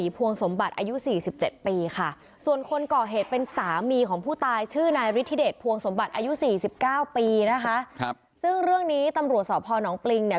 พวงสมบัติอายุ๔๙ปีนะคะครับซึ่งเรื่องนี้ตำรวจสอบพรน้องปลิงเนี่ย